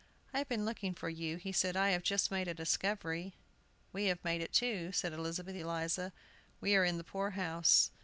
"I have been looking for you," he said. "I have just made a discovery." "We have made it, too," said Elizabeth Eliza; "we are in the poor house."